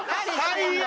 最悪！